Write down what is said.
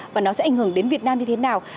và nó sẽ ảnh hưởng đến việt nam như thế nào